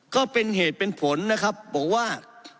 ก็เป็นเหตุเป็นผลนะครับบอกว่า